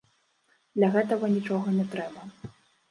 Для гэтага нічога не трэба.